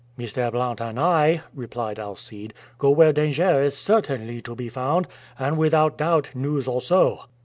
"Mr. Blount and I," replied Alcide, "go where danger is certainly to be found, and without doubt news also."